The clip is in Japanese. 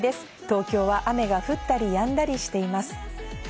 東京は雨が降ったりやんだりしています。